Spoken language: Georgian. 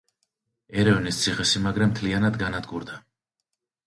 ერევნის ციხესიმაგრე მთლიანად განადგურდა.